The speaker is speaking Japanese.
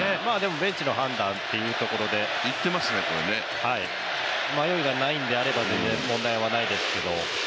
ベンチの判断というところで、迷いがないのであれば全然問題ないんですけど。